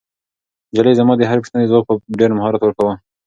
نجلۍ زما د هرې پوښتنې ځواب په ډېر مهارت ورکاوه.